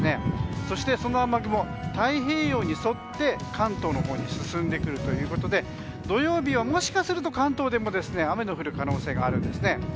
そしてその雨雲、太平洋に沿って関東のほうに進んでくるということで土曜日はもしかすると関東でも雨の降る可能性があるんですね。